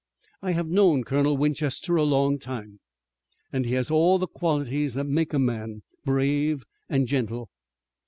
I have known Colonel Winchester a long time, and he has all the qualities that make a man, brave and gentle.